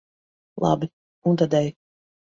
Labi, un tad ej.